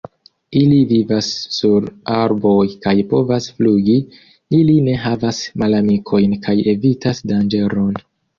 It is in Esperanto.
Ili vivas sur arboj kaj povas flugi, ili ne havas malamikojn kaj evitas danĝeron.